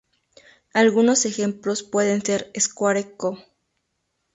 Algunos ejemplos pueden ser: Square Co.